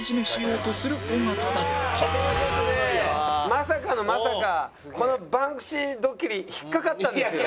まさかのまさかこのバンクシードッキリ引っかかったんですよ。